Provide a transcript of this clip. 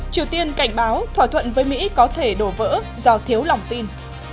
triều tiên cảnh báo thỏa thuận với mỹ có thể đổ vỡ do thiếu lòng tin